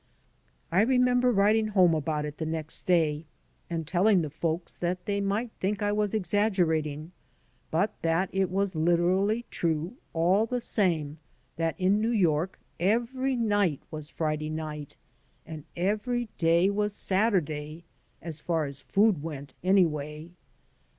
I remember writing home about it the next day and telling the folks that they might think I was exaggerating, but that it was literally true, all the same, that in New York every night was Friday night and every day was Saturday, as far as food went, any way.